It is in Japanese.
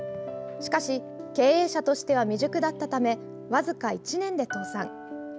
しかし、経営者としては未熟だったため僅か１年で倒産。